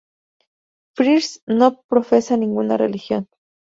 Frears no profesa ninguna religión.